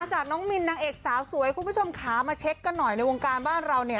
จากน้องมินนางเอกสาวสวยคุณผู้ชมขามาเช็คกันหน่อยในวงการบ้านเราเนี่ย